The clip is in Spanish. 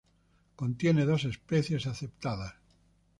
Contiene dos especies aceptadas.